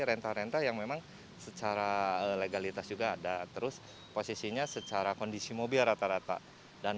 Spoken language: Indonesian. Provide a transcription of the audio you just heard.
renta renta yang memang secara legalitas juga ada terus posisinya secara kondisi mobil rata rata dan